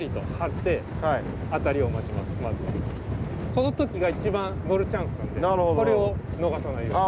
この時が一番のるチャンスなんでこれを逃さないように。